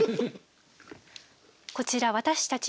こちら私たち